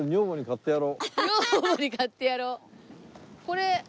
「女房に買ってやろう」。